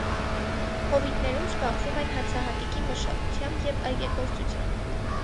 Հովիտներում զբաղվում են հացահատիկի մշակությամբ և այգեգործությամբ։